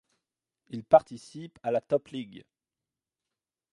Ils participent à la Top League.